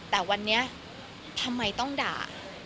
แต่วันนี้ทำไมต้องด่า